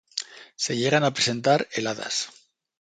Se llegan a presentar heladas.